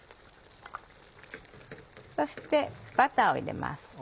そしてバターを入れます。